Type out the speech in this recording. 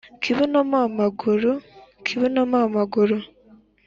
kibuno mpa amaguru! kibuno mpa amaguru!